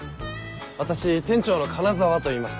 私店長の金沢といいます。